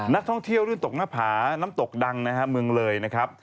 นักท่องเที่ยวลื่นตกหน้าผาน้ำตกดังนะฮะเมืองเลยนะครับ